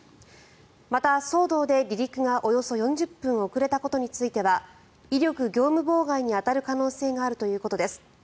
また、騒動で離陸がおよそ４０分遅れたことについては威力業務妨害に当たる可能性があるということです。